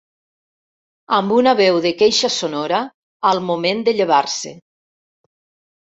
Amb una veu de queixa sonora al moment de llevar-se.